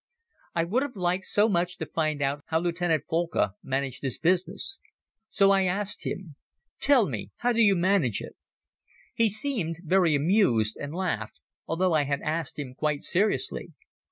I would have liked so much to find out how Lieutenant Boelcke managed his business. So I asked him: "Tell me, how do you manage it?" He seemed very amused and laughed, although I had asked him quite seriously.